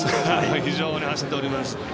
非常に走っております。